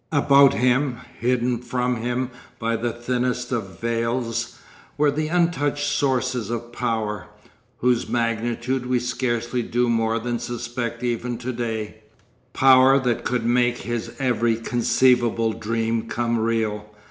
About him, hidden from him by the thinnest of veils, were the untouched sources of Power, whose magnitude we scarcely do more than suspect even to day, Power that could make his every conceivable dream come real.